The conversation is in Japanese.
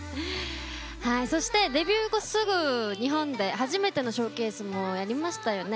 そして、デビュー後すぐ日本で始めてのショーケースもやりましたよね。